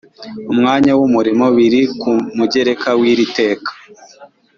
umwanya w umurimo biri ku mugereka w iri teka